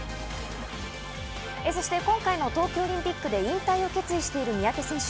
そして今回の東京オリンピックで引退を決意している三宅選手。